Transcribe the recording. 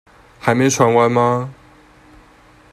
還沒傳完嗎？